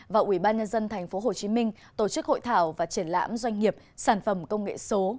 và ủy ban nhân dân tp hcm tổ chức hội thảo và triển lãm doanh nghiệp sản phẩm công nghệ số